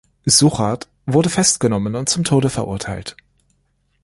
Suchard wurde festgenommen und zum Tode verurteilt.